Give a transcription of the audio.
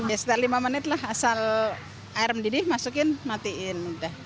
ya sekitar lima menit lah asal air mendidih masukin matiin